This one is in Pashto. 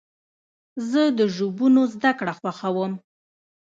زه د ژبونو زدهکړه خوښوم.